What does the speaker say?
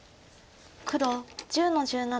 黒１０の十七。